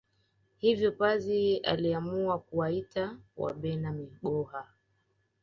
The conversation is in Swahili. Hivyo pazi aliamua kuwaita Wabena Migoha